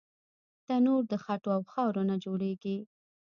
تنور د خټو او خاورو نه جوړېږي